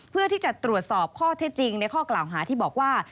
เพื่อที่จะตรวจสอบข้อเท็จจริงในข้อกล่าวหาที่บอกว่า